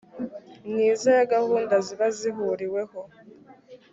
myiza ya gahunda ziba zihuriweho